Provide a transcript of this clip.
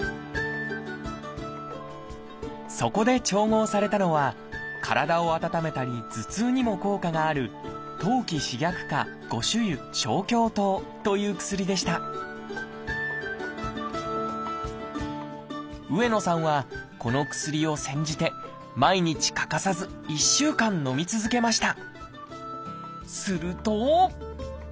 そこで調合されたのは体を温めたり頭痛にも効果があるという薬でした上野さんはこの薬を煎じて毎日欠かさず１週間のみ続けました。